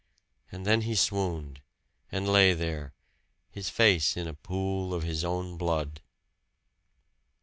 And then he swooned, and lay there, his face in a pool of his own blood.